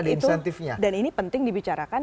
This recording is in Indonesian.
ada insentifnya dan ini penting dibicarakan